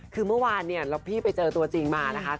คือเมื่อวานนะคือพี่ไปเจอตัวจริงมานะคะ